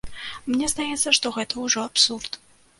Мне здаецца, што гэта ўжо абсурд.